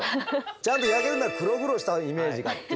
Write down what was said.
ちゃんと焼けるなら黒々したイメージがっていうこと。